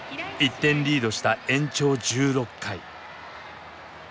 １点リードした延長１６回。